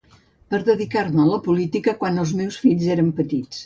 Per dedicar-me a la política quan els meus fills eren petits.